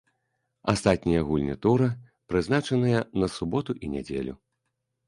Астатнія гульні тура прызначаныя на суботу і нядзелю.